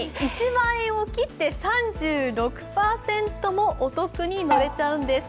１万円を切って、３６％もお得に乗れちゃうんです。